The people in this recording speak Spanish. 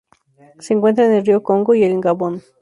Se encuentra en el río Congo y en Gabón.